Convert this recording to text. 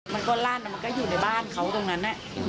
มันก็ลั่นมันก็อยู่ในบ้านเขาตรงนั้น